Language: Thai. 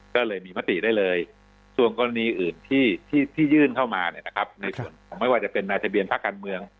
ก็เลยมีของรุ่นนี้อื่นที่ยื่นเข้ามาก็ไม่ว่าจะเป็นมาจัดเปลี่ยนภาคการเมือง